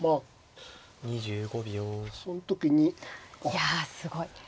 いやすごい。